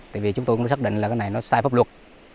tại vì chúng tôi cũng xác định là cái này nó sai pháp luật